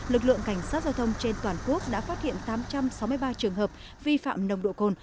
lực lượng cảnh sát giao thông trên toàn quốc đã phát hiện tám trăm sáu mươi ba trường hợp vi phạm nồng độ cồn